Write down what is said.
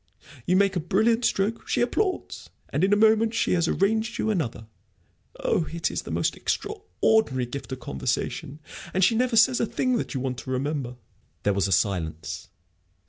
You make a brilliant stroke; she applauds, and in a moment she has arranged you another. Oh, it is the most extraordinary gift of conversation and she never says a thing that you want to remember." There was a silence.